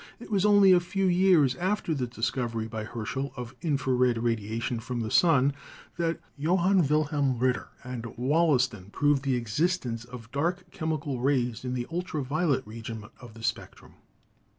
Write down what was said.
It was only a few years after the discovery by Herschel of in fra red radiation from the sun that Johann Wilhelm Ritter and Wollaston proved the existence of dark chemical rays in the ultra violet region of the spectrum.